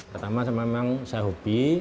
pertama memang saya hobi